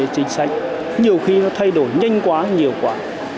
cơ chế chính sách nhiều khi nó thay đổi nhanh quá nhiều quá